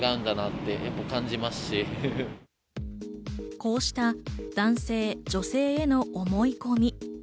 こうした男性・女性への思い込み。